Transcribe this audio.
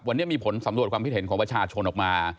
วันนี้มีผลสำรวจความคิดเห็นของประชาชนออกมา